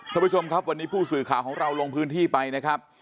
ท่านผู้ชมครับวันนี้ผู้สื่อข่าวของเราลงพื้นที่ไปนะครับ